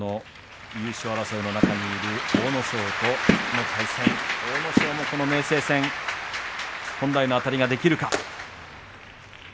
優勝争いの中にいる阿武咲とこの明生戦本来のあたりができるか。